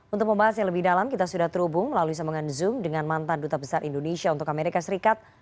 untuk membahas yang lebih dalam kita sudah terhubung melalui sambungan zoom dengan mantan duta besar indonesia untuk amerika serikat